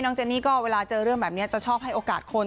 เจนี่ก็เวลาเจอเรื่องแบบนี้จะชอบให้โอกาสคน